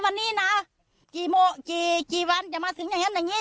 ฝนิน่ะกี่โมกี่กี่วันจะมาถึงอย่างเงี้ยอย่างเงี้ย